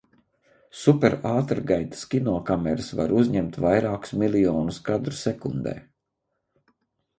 Superātrgaitas kinokameras var uzņemt vairākus miljonus kadru sekundē.